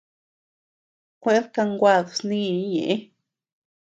Kueʼëd kanguad snï ñeʼe.